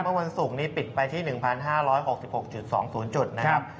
เมื่อวันศุกร์นี้ปิดไปที่๑๕๖๖๒๐จุดนะครับ